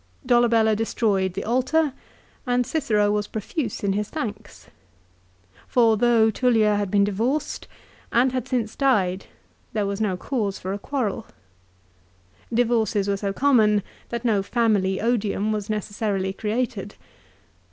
Dolabella destroyed the altar, and Cicero was profuse in his thanks. 1 For though Tullia had been divorced, and had since died, there was no cause for a quarrel Divorces were so common that no family odium was necessarily created.